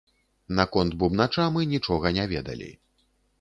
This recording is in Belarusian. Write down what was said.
Наконт бубнача мы нічога не ведалі.